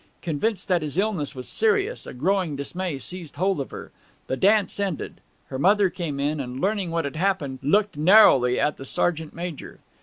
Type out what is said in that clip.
Convinced that his illness was serious, a growing dismay seized hold of her. The dance ended; her mother came in, and learning what had happened, looked narrowly at the sergeant major.